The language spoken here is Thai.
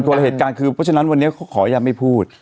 ละเหตุการณ์คือเพราะฉะนั้นวันนี้เขาขอยังไม่พูด